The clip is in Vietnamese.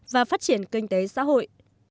và phát triển kinh tế xã hội